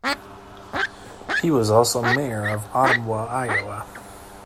He was also mayor of Ottumwa, Iowa.